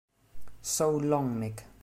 So Long, Mick!